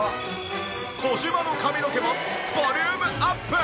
児嶋の髪の毛もボリュームアップ！